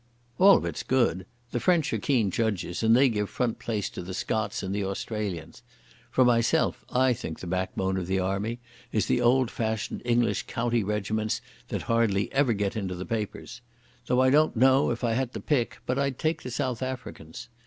"All of it's good. The French are keen judges and they give front place to the Scots and the Australians. For myself I think the backbone of the Army is the old fashioned English county regiments that hardly ever get into the papers Though I don't know, if I had to pick, but I'd take the South Africans.